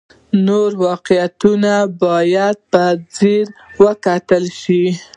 نور واقعیات باید په ځیر وکتل شي.